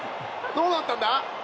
どうなったんだ！？